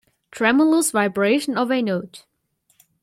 Tremulous vibration of a note